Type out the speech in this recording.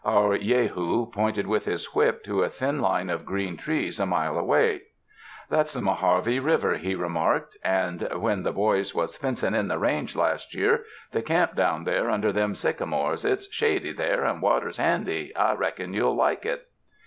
Our Jehu pointed with his whip to a thin line of green trees a mile away. ''That's the Moharvy River," he remarked, "and when the boys was fencin' in the range last year they camped down there under them sycamores. It's shady there, and water's handy. I reckon you'll like it."